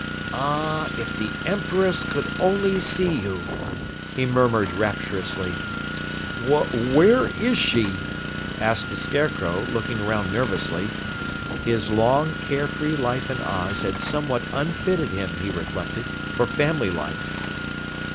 "Ah, if the Empress could only see you!" he murmured rapturously. "Where where is she?" asked the Scarecrow, looking around nervously. His long, care free life in Oz had somewhat unfitted him, he reflected, for family life.